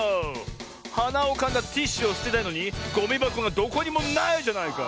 はなをかんだティッシュをすてたいのにゴミばこがどこにもないじゃないか！